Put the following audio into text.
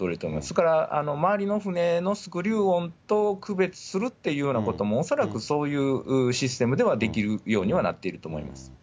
それから周りの船のスクリュー音と区別するというようなことも、恐らくそういうシステムではできるようにはなっていると思います。